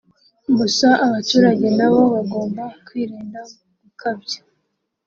gusa abaturage nabo bagomba kwirinda gukabya